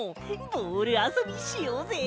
ボールあそびしようぜ！